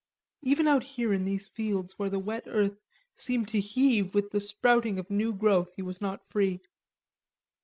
Even out here in these fields where the wet earth seemed to heave with the sprouting of new growth, he was not free.